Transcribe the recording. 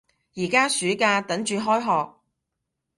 而家暑假，等住開學